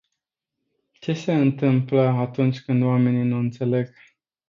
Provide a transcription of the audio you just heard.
Ce se întâmplă atunci când oamenii nu înțeleg?